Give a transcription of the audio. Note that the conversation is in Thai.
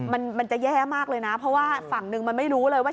มันมันจะแย่มากเลยนะเพราะว่าฝั่งหนึ่งมันไม่รู้เลยว่า